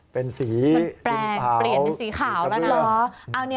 เป็นสีแปลงเปลี่ยนเป็นสีขาวแล้วนะ